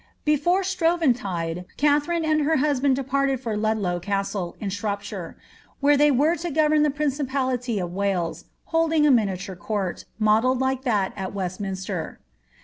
Before Shrovetide, Katharine and her husband departed for Ludloir Castle, in Shropshire, where they were to govern the principality of Wales, holding a miniature court, modelled like that at Westminster.